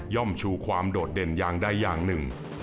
ชูความโดดเด่นอย่างใดอย่างหนึ่ง